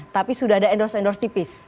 tapi sudah ada endorse endorse tipis